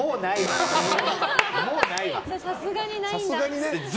さすがにないんだ。